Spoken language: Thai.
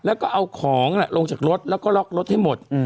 แล้วก็เอาของลงจากรถแล้วก็ล็อกรถให้หมด